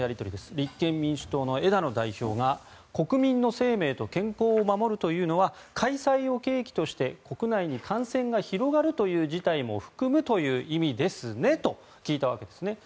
立憲民主党の枝野代表が国民の生命と健康を守るというのは開催を契機として国内に感染が広がるという事態も含むという意味ですね？と聞いたわけですね。